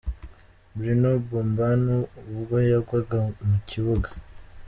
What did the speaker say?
Bruno Boban ubwo yagwaga mu kibuga.